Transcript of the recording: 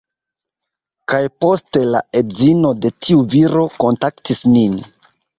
Kaj poste la edzino de tiu viro kontaktis nin